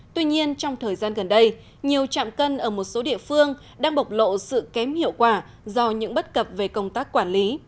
tuy nhiên trong thời gian gần đây nhiều trạm cân ở một số địa phương đang bộc lộ sự kém hiệu quả do những bất cập về công tác quản lý